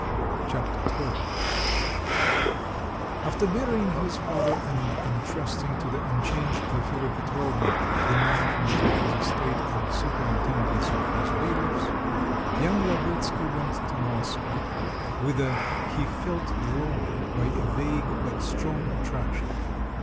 Chapter XII After burying his father and intrusting to the unchanged Glafira Petrovna the management of his estate and superintendence of his bailiffs, young Lavretsky went to Moscow, whither he felt drawn by a vague but strong attraction.